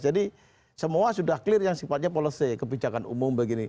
semua sudah clear yang sifatnya policy kebijakan umum begini